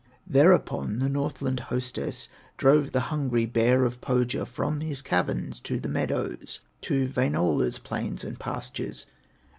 Thereupon the Northland hostess Drove the hungry bear of Pohya From his cavern to the meadows, To Wainola's plains and pastures.